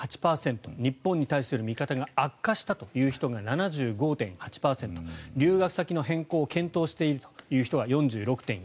日本に対する見方が悪化したという人が７５．８％留学先の変更を検討しているという人は４６．４％。